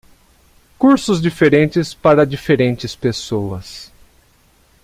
Cursos diferentes para diferentes pessoas.